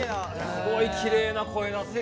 すごいきれいな声だった。